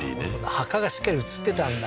墓がしっかり写ってたんだ